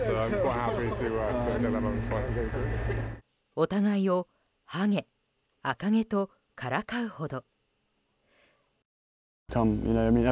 お互いをハゲ、赤毛とからかうほど。